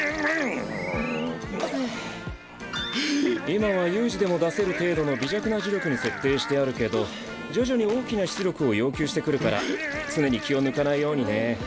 今は悠仁でも出せる程度の微弱な呪力に設定してあるけど徐々に大きな出力を要求してくるから常に気を抜かないようにね。